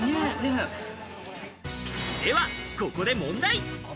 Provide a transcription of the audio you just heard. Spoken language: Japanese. ではここで問題。